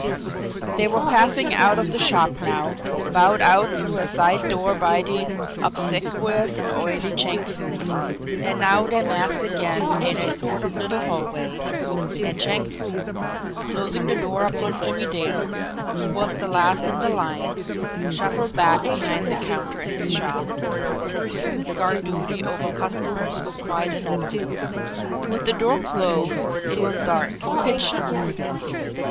They were passing out of the shop now, bowed out through a side door by the obsequious and oily Chang Foo. And now they massed again in a sort of little hallway and Chang Foo, closing the door upon Jimmie Dale, who was the last in the line, shuffled back behind the counter in his shop to resume his guard duty over customers of quite another ilk. With the door closed, it was dark, pitch dark.